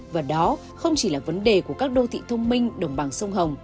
và đó không chỉ là vấn đề của các đô thị thông minh đồng bằng sông hồng